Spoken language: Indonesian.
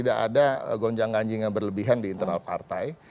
dan tidak ada konflik konflik yang berlebihan di internal partai